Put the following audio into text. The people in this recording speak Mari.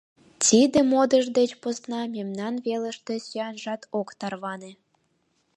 Тиде модыш деч посна мемнан велыште сӱанжат ок тарване.